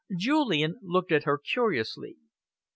Julian looked at her curiously.